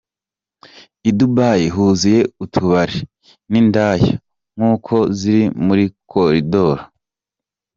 I Dubai huzuye utubari n"indaya nkuko ziri muri Corridor.